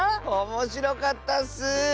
おもしろかったッス！